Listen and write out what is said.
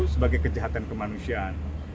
sebagai kejahatan kemanusiaan